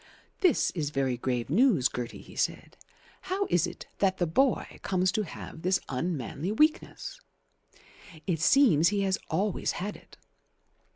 "This is very grave news, Gertie," he said. "How is it that the boy comes to have this unmanly weakness?" "It seems he has always had it."